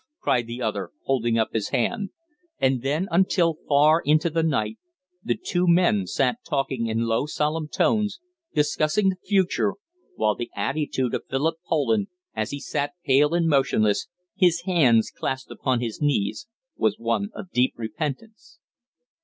cried the other, holding up his hand; and then, until far into the night, the two men sat talking in low, solemn tones, discussing the future, while the attitude of Philip Poland, as he sat pale and motionless, his hands clasped upon his knees, was one of deep repentance.